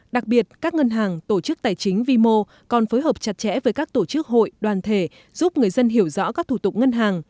đặc biệt các ngân hàng tổ chức tài chính vi mô còn phối hợp chặt chẽ với các tổ chức hội đoàn thể giúp người dân hiểu rõ các thủ tục ngân hàng